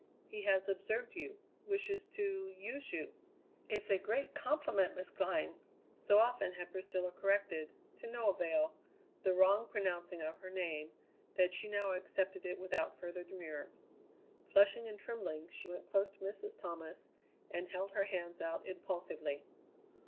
He has observed you; wishes to use you. It's a great compliment, Miss Glynn." So often had Priscilla corrected, to no avail, the wrong pronouncing of her name, that she now accepted it without further demur. Flushing and trembling, she went close to Mrs. Thomas and held her hands out impulsively.